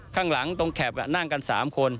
ข้างหลังตรงแคปนั่งกัน๓คน